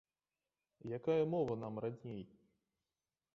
Якая мова нам радней?